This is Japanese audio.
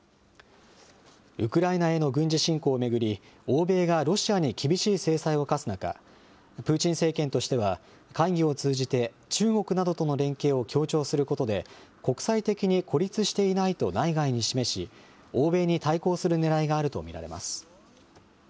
ウクライナへの軍事侵攻を巡り、欧米がロシアに厳しい制裁を科す中、プーチン政権としては、会議を通じて中国などとの連携を強調することで、国際的に孤立していないと内外に示し、欧米に対抗するねらいがあると見られます。